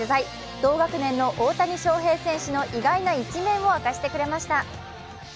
同学年の大谷翔平選手の意外な一面を明かしてくれました。